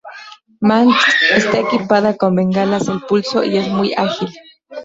Manx está equipada con bengalas el pulso, y es muy ágil.